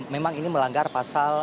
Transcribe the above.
memang ini melanggar pasal